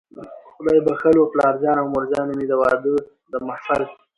خدای بښلو پلارجان او مورجانې مې، د واده د محفل